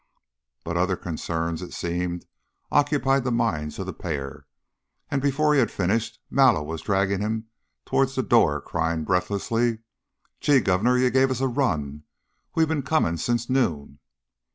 But other concerns, it seemed, occupied the minds of the pair, and before he had finished Mallow was dragging him towards the door, crying, breathlessly: "Gee, Governor! You gave us a run. We've been coming since noon."